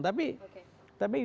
tapi tapi gitu